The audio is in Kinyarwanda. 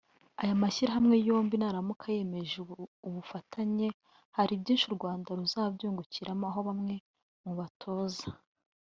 Aya mashyirahamwe yombi naramuka yemeje ubu bufatanye hari byinshi U Rwanda ruzabyungukiramo aho bamwe mu batoza